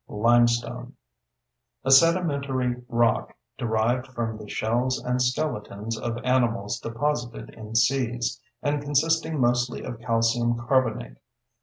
LIMESTONE: A sedimentary rock derived from the shells and skeletons of animals deposited in seas, and consisting mostly of calcium carbonate.